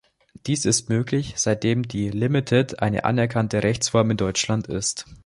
Dies ist möglich, seitdem die Limited eine anerkannte Rechtsform in Deutschland ist.